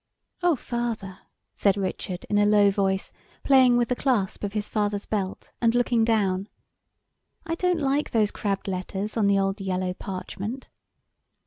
"Oh, father!" said Richard, in a low voice, playing with the clasp of his father's belt, and looking down, "I don't like those crabbed letters on the old yellow parchment."